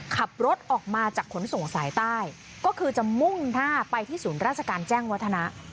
ขับรถออกมาจากขนส่งสายใต้ก็คือจะมุ่งหน้าไปที่ศูนย์ราชการแจ้งวัฒนะ